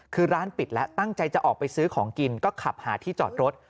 คือร้านปิดแล้วตั้งใจจะออกไปซื้อของกินก็ขับหาที่จอดรถ